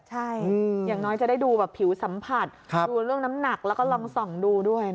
ใช่อย่างน้อยจะได้ดูแบบผิวสัมผัสดูเรื่องน้ำหนักแล้วก็ลองส่องดูด้วยนะคะ